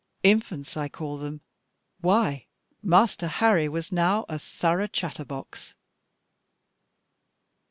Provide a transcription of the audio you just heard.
Infants I call them, why Master Harry was now a thorough chatterbox!